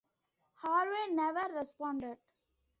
Harvey never responded.